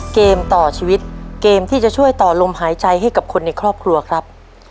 เกมต่อชีวิตเกมที่จะช่วยต่อลมหายใจให้กับคนในครอบครัวครับ